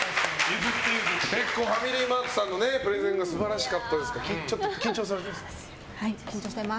ファミリーマートさんのプレゼンが素晴らしかったですが緊張されてますか？